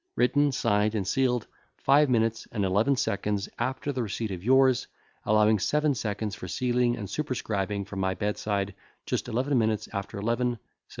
Written, signed, and sealed, five minutes and eleven seconds after the receipt of yours, allowing seven seconds for sealing and superscribing, from my bed side, just eleven minutes after eleven, Sept.